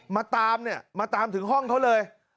มาตามเนี่ยมาตามถึงห้องเขาเลย